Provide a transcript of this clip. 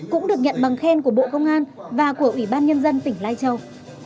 cũng được nhận bằng khen của bộ công an và của ủy ban nhân dân tỉnh lai châu